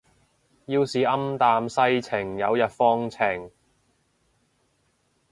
要是暗淡世情有日放晴